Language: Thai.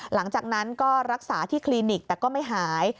หลังจากนั้นก็รักษาที่คลินิกแต่ก็ไม่หาย